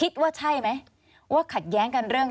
แล้วเขาสร้างเองว่าห้ามเข้าใกล้ลูก